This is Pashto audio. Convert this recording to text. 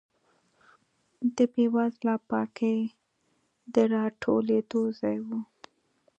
د بېوزله پاړکي د راټولېدو ځای و.